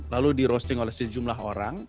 lalu di roasting oleh sejumlah orang